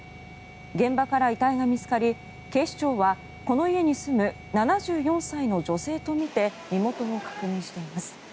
現場から遺体が見つかり警視庁は、この家に住む７４歳の女性とみて身元を確認しています。